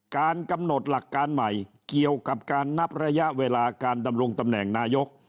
การกำหนดหลักการใหม่เกี่ยวกับการนับระยะเวลาการดำรงตำแหน่งนายก